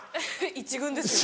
１軍ですよ。